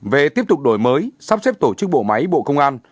về tiếp tục đổi mới sắp xếp tổ chức bộ máy bộ công an